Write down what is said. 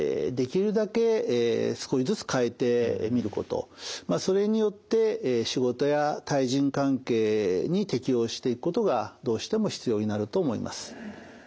やはりですねまず第１にそれによって仕事や対人関係に適応していくことがどうしても必要になると思います。